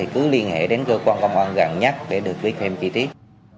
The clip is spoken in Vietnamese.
cơ quan công an ràng nhắc để được vi phạm kỹ tiết